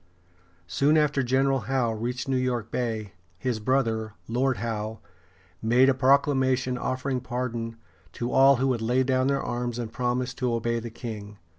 Soon after General Howe reached New York Bay, his brother, Lord Howe, made a proclamation offering pardon to all who would lay down their arms and promise to obey the king.